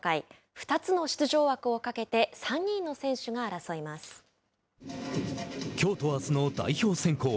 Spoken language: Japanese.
２つの出場枠をかけてきょうとあすの代表選考。